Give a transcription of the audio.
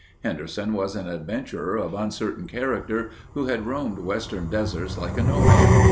Henderson was an adventurer of uncertain character who had roamed western deserts like a nomad.